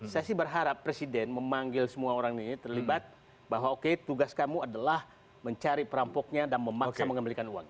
saya sih berharap presiden memanggil semua orang ini terlibat bahwa oke tugas kamu adalah mencari perampoknya dan memaksa mengembalikan uang